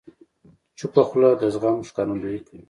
چپه خوله، د زغم ښکارندویي کوي.